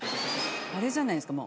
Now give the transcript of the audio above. あれじゃないですか？